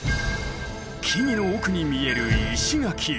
木々の奥に見える石垣。